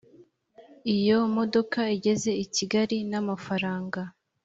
iyo modoka igeze i kigali n amafaranga